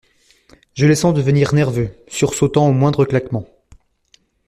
Je les sens devenir nerveux, sursautant au moindre claquement.